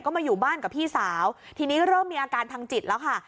ก็มาอยู่บ้านกับพี่สาวทีนี้เริ่มมีอาการทางจิตแล้วค่ะ